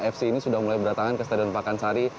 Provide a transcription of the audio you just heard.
fc ini sudah mulai berdatangan ke stadion pakansari